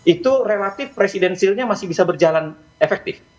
itu relatif presidensilnya masih bisa berjalan efektif